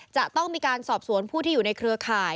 จะต้องมีการสอบสวนผู้ที่อยู่ในเครือข่าย